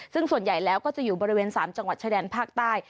ซึ่งส่วนใหญ่แล้วก็จะอยู่บริเวณ๓จังหวัดชายแดนภาคใต้